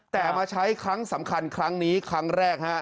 แต่มาใช้ครั้งสำคัญครั้งนี้ครั้งแรกฮะ